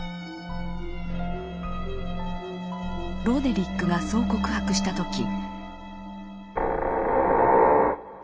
ロデリックがそう告白した時。